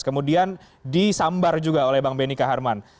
kemudian disambar juga oleh bang benika harman